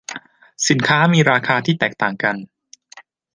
สินค้ามีราคาที่แตกต่างกัน